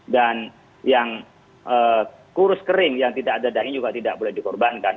dan yang kurus kering yang tidak ada dahi juga tidak boleh dikorbankan